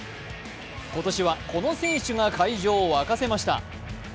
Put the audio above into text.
今年はこの選手が会場を沸かせました。